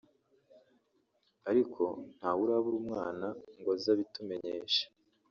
ariko ntawe urabura umwana ngo aze abitumenyeshe